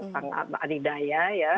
sangat adidaya ya